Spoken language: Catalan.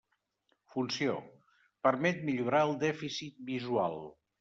Funció: permet millorar el dèficit visual.